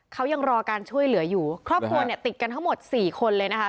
เขายังรอการช่วยเหลืออยู่ครอบครัวเนี่ยติดกันทั้งหมดสี่คนเลยนะคะ